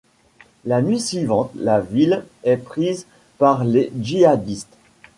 La nuit suivante, la ville est prise par les djihadistes.